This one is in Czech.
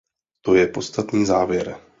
To je podstatný závěr.